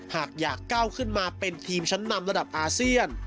หากอยากก้าวขึ้นมาเป็นทีมชั้นนำระดับอาเซียน